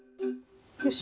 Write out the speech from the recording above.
よし！